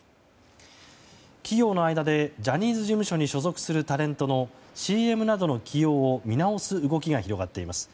企業の間でジャニーズ事務所に所属するタレントのＣＭなどの起用を見直す動きが広まっています。